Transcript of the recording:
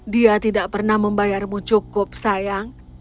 dia tidak pernah membayarmu cukup sayang